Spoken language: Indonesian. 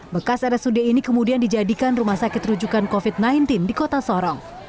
bekas rsud ini kemudian dijadikan rumah sakit rujukan covid sembilan belas di kota sorong